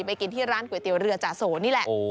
กินที่ร้านก๋วยเตี๋ยวเรือจาโสนี่แหละ